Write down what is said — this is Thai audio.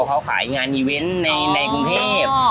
เขาขายงานอีเวนต์ในกรุงเทพ